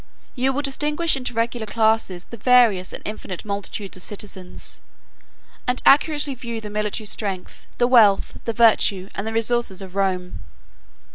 You will distinguish into regular classes the various and infinite multitude of citizens, and accurately view the military strength, the wealth, the virtue, and the resources of Rome.